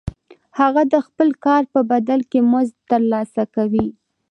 هغه د خپل کار په بدل کې مزد ترلاسه کوي